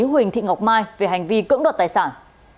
huỳnh thị ngọc mai về hành vi cưỡng đoạt tài sản